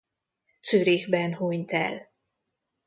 Zürichben hunyt el.